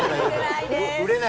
売れない！